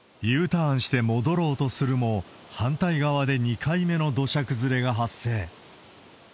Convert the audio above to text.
Ｕターンして戻ろうとするも、反対側で２回目の土砂崩れが発生。